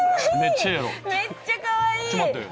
めっちゃかわいい！